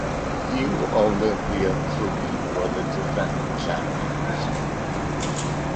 U Olimpia Cluj were the defending champions.